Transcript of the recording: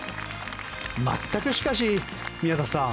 全く、しかし宮里さん